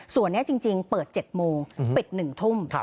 ส่วนนี้จริงเปิด๗โมงปิด๑ทุ่ม